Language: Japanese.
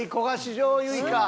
醤油イカ。